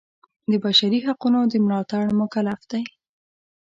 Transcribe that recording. د بشري حقونو د ملاتړ مکلف دی.